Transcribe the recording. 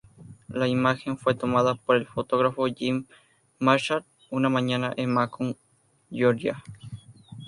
La imagen fue tomada por el fotógrafo Jim Marshall una mañana en Macon, Georgia.